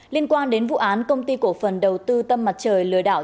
liên quan đến vụ án công ty cổ phần đầu tư tâm mặt trời lừa đảo